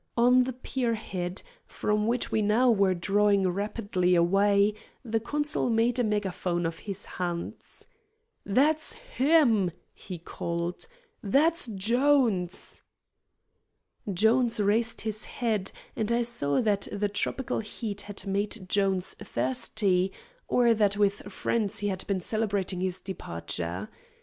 On the pier head, from which we now were drawing rapidly away, the consul made a megaphone of his hands. "That's HIM," he called. "That's Jones." Jones raised his head, and I saw that the tropical heat had made Jones thirsty, or that with friends he had been celebrating his departure.